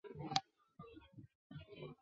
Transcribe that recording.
弗格森于斯德哥尔摩市中心的区长大。